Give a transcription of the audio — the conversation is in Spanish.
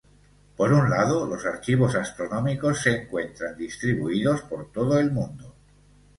Por un lado, los archivos astronómicos se encuentran distribuidos por todo el mundo.